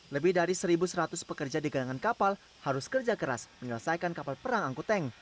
lebih dari satu seratus pekerja di galangan kapal harus kerja keras menyelesaikan kapal perang angkut tank